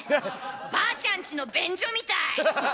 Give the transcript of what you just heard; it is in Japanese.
ばあちゃんちの便所みたい！